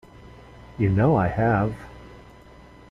You know I have.